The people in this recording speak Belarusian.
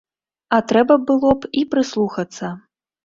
А трэба было б і прыслухацца.